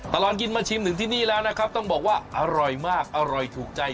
ตลอดกินมาชิมถึงที่นี่แล้วนะครับต้องบอกว่าอร่อยมากอร่อยถูกใจ